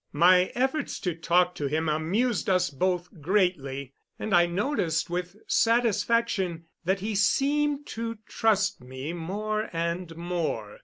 My efforts to talk to him amused us both greatly, and I noticed with satisfaction that he seemed to trust me more and more.